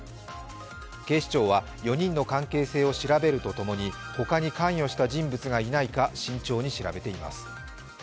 警視庁は、４人の関係性を調べるとともに、ほかに関与した人物がいないか慎重に調べています。